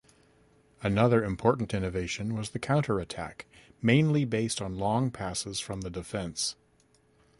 Another important innovation was the counter-attack, mainly based on long passes from the defence.